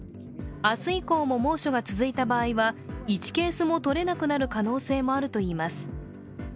明日以降も猛暑が続いた場合は１ケースもとれなくなる可能性もあるといいます。